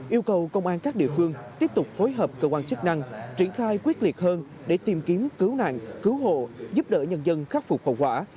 yêu cầu công an các địa phương tiếp tục phối hợp cơ quan chức năng triển khai quyết liệt hơn để tìm kiếm cứu nạn cứu hộ giúp đỡ nhân dân khắc phục hậu quả